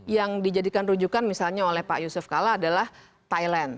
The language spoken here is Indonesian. yang dijadikan rujukan misalnya oleh pak yusuf kalla adalah thailand